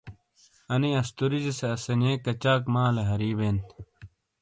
انہ استوریجے سے اسانیئے کچاک مالے ہری بین ۔